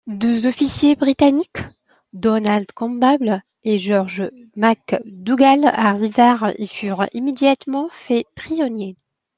Deux officiers britanniques, Donald Campbell et George McDougall arrivèrent et furent immédiatement faits prisonniers.